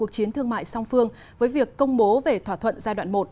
mỹ đã tham gia thương mại song phương với việc công bố về thỏa thuận giai đoạn một